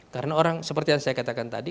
karena orang seperti yang saya katakan tadi